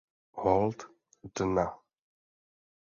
Hold "dna"